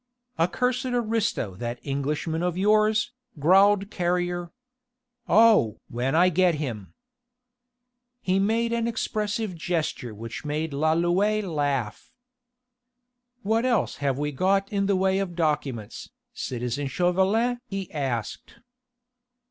"A cursed aristo that Englishman of yours," growled Carrier. "Oh! when I get him...." He made an expressive gesture which made Lalouët laugh. "What else have we got in the way of documents, citizen Chauvelin?" he asked.